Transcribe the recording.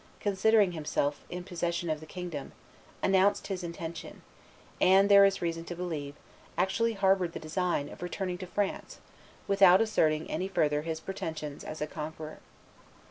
considering himself in possession of the kingdom, announced his intention, and, there is reason to believe, actually harbored the design, of returning to France, without asserting any further his pretensions as a conqueror.